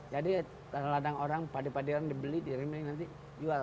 jadi ladang ladang orang padi padi orang dibeli di remiling nanti jual